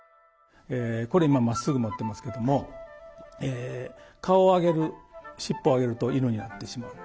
これ今まっすぐ持ってますけども顔を上げる尻尾を上げると犬になってしまう。